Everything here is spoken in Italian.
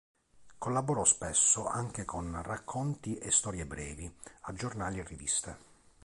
Collaborò spesso anche con racconti e storie brevi a giornali e riviste.